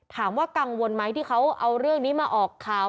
กังวลไหมที่เขาเอาเรื่องนี้มาออกข่าว